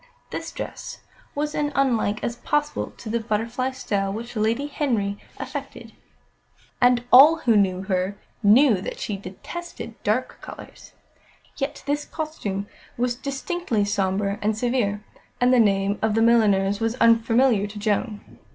This dress was as unlike as possible to the butterfly style which Lady Henry affected, and all who knew her knew that she detested dark colours. Yet this costume was distinctly sombre and severe; and the name of the milliner was unfamiliar to Joan.